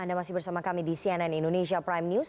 anda masih bersama kami di cnn indonesia prime news